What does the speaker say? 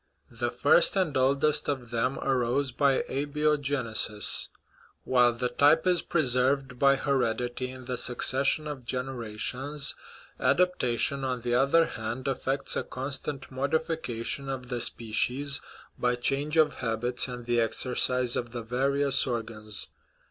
The first and oldest of them arose by abiogenesis. While the type is preserved by hered ity in the succession of generations, adaptation, on the other hand, effects a constant modification of the species by change of habits and the exercise of the various or gans.